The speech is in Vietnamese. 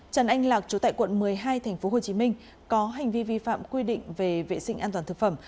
trần anh lạc chủ tại quận một mươi hai tp hcm có hành vi vi phạm quy định về vệ sinh an toàn thực phẩm